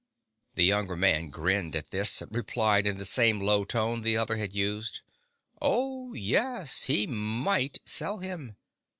The younger man grinned at this, and replied in the same low tone the other had used :" Oh, yes. He might sell him.